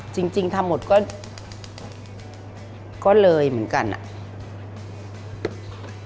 จริงทำหมดก็เลยเหมือนกันอ่ะ